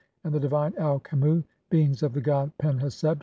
And the divine Aukhemu "beings of the god Pen heseb